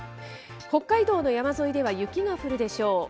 北海道の山沿いでは雪が降るでしょう。